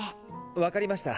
分かりました。